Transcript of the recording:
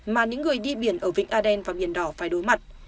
mà những người đi biển ở vĩnh a đen và biển đỏ phải đối mặt